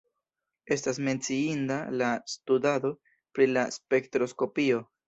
Estas menciinda la studado pri spektroskopio.